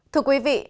thưa quý vị